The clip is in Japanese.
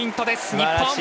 日本！